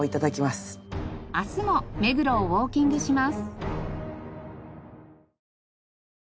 明日も目黒をウォーキングします。